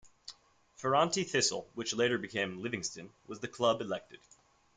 Ferranti Thistle, which later became Livingston, was the club elected.